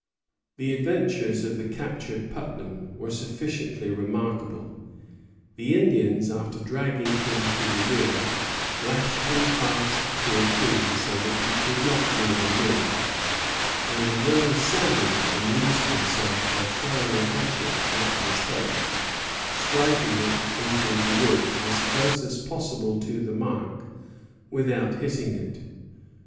The adventures of the captured Putnam were sufficiently remarkable. The Indians, after dragging him to the rear, lashed him fast to a tree so that he could not move a limb, and a young savage amused himself by throwing a hatchet at his head, striking it into the wood as close as possible to the mark without hitting it.